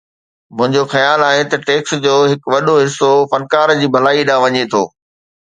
منهنجو خيال آهي ته ٽيڪس جو هڪ وڏو حصو فنڪار جي ڀلائي ڏانهن وڃي ٿو